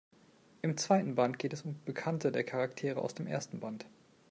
Im zweiten Band geht es um Bekannte der Charaktere aus dem ersten Band.